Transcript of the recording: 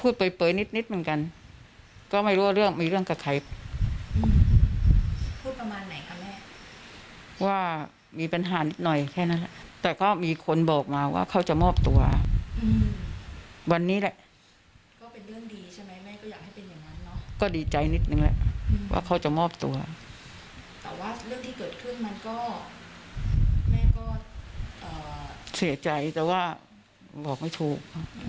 แต่ว่าเรื่องที่เกิดขึ้นมันก็แม่ก็เสียใจแต่ว่าบอกไม่ถูก